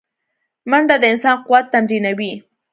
منډه د انسان قوت تمرینوي